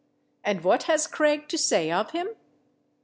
And what has Craig to say of him?...